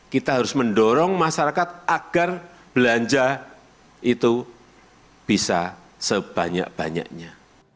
kita harus mendorong masyarakat agar belanja itu bisa sebanyak banyaknya